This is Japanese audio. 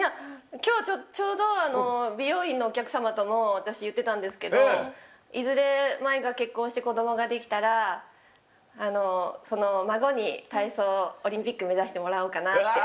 今日ちょうど美容院のお客様とも私言ってたんですけどいずれ茉愛が結婚して子供ができたらその孫に体操オリンピック目指してもらおうかなって。